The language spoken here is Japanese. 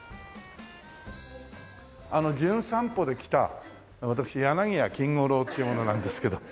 あの『じゅん散歩』で来た私柳家金語楼っていう者なんですけど。